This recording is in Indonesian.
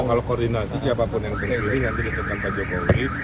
kalau koordinasi siapapun yang terpilih nanti ditutupkan pak jokowi